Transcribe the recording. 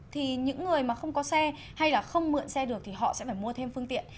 thì những người mà không có xe hay là không mượn xe được thì họ sẽ phải mua thêm phương tiện